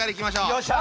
よっしゃ！